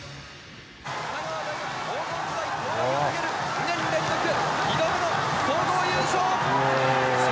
神奈川大学、黄金時代到来を告げる２年連続２度目の総合優勝。